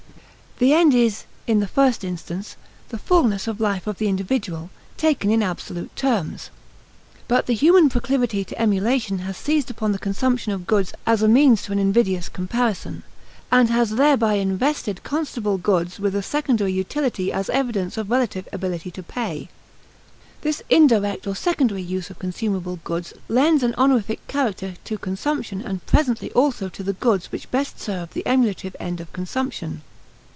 The end is, in the first instance, the fullness of life of the individual, taken in absolute terms. But the human proclivity to emulation has seized upon the consumption of goods as a means to an invidious comparison, and has thereby invested consumable goods with a secondary utility as evidence of relative ability to pay. This indirect or secondary use of consumable goods lends an honorific character to consumption and presently also to the goods which best serve the emulative end of consumption.